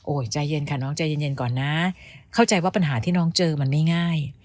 ใจเย็นค่ะน้องใจเย็นก่อนนะเข้าใจว่าปัญหาที่น้องเจอมันไม่ง่าย